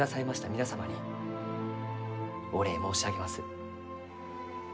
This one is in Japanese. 皆様にお礼、申し上げます。